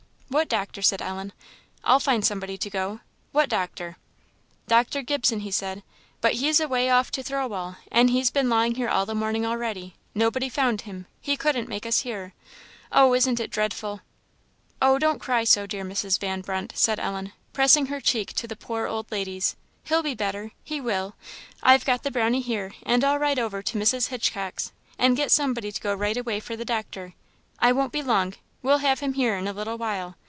"What doctor?" said Ellen "I'll find somebody to go what doctor?" "Dr. Gibson, he said; but he's away off to Thirlwall; and he's been lying here all the morning a'ready! nobody found him he couldn't make us hear. Oh, isn't it dreadful!" "Oh, don't cry so, dear Mrs. Van Brunt," said Ellen, pressing her cheek to the poor old lady's; "he'll be better he will! I've got the Brownie here and I'll ride over to Mrs. Hitchcock's and get somebody to go right away for the doctor. I won't be long we'll have him here in a little while!